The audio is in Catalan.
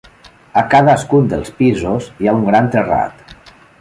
A cadascun dels pisos hi ha un gran terrat.